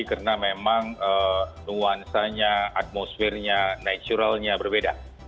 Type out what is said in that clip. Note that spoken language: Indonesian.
karena memang nuansanya atmosfernya naturalnya berbeda